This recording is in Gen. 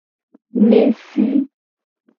Nesi.